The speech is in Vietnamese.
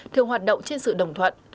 thường hoạt động trên sự đồng thuận